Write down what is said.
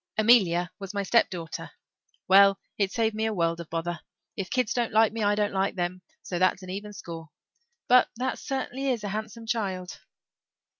Amelia was my step daughter. Well, it's saved me a world of bother. If kids don't like me I don't like them, so that's an even score. But that certainly is a handsome child."